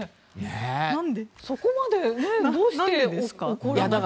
そこまでどうしてでしょう。